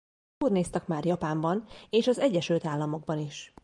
Turnéztak már Japánban és az Egyesült Államokban is.